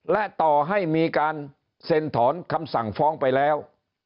และต่อให้มีการเซ็นถอนคำสั่งฟ้องไปแล้ว